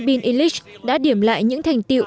bill english đã điểm lại những thành tiệu